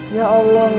ya allah mak